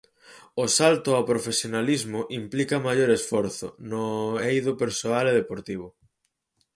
O salto ao profesionalismo implica maior esforzo no eido persoal e deportivo.